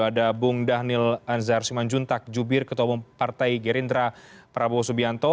ada bung dhanil anzar simanjuntak jubir ketua umum partai gerindra prabowo subianto